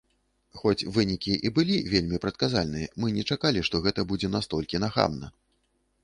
Хоць вынікі і былі вельмі прадказальныя, мы не чакалі, што гэта будзе настолькі нахабна.